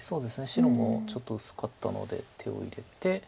白もちょっと薄かったので手を入れて。